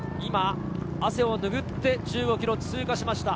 今、汗をぬぐって１５ｋｍを通過しました。